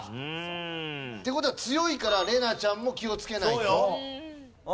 うーん。って事は強いから怜奈ちゃんも気をつけないと。